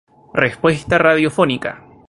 Respuesta Radiofónica